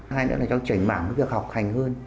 hai nữa là cháu chảy mảng với việc học hành hơn